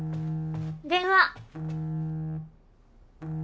電話。